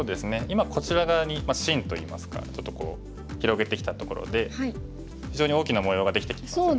今こちら側に芯といいますかちょっとこう広げてきたところで非常に大きな模様ができてきてますよね。